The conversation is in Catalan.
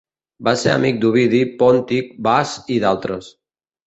Va ser amic d'Ovidi, Pòntic, Bas, i d'altres.